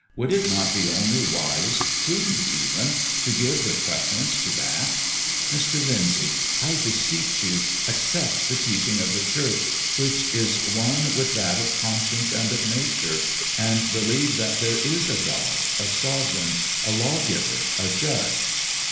Would it not be only wise, prudent even, to give the preference to that? Mr. Lyndsay, I beseech you, accept the teaching of the Church, which is one with that of conscience and of nature, and believe that there is a God, a Sovereign, a Lawgiver, a Judge."